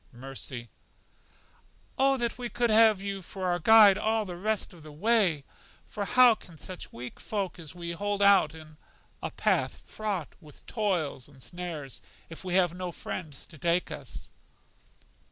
Mercy: O that we could have you for our guide all the rest of the way! For how can such weak folk as we are hold out in a path fraught with toils and snares, if we have no friends to take us?